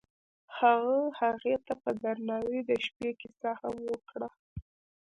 هغه هغې ته په درناوي د شپه کیسه هم وکړه.